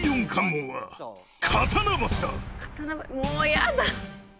刀もうやだ！